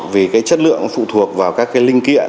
vì cái chất lượng phụ thuộc vào các cái linh kiện